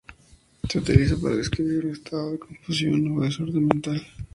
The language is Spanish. Se utiliza para describir un estado de confusión o desorden mental.